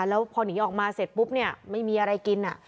แล้วพอหนีออกมาเสร็จปุ๊บเนี่ยไม่มีอะไรกิน